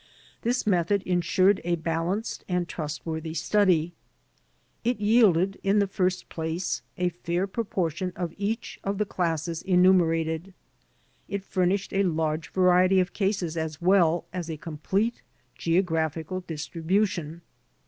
This method insured a balanced and trustworthy study. It yielded in the first place a fair proportion of each of the classes enumer ated; it furnished a large variety of cases as well as a complete geographical distribution.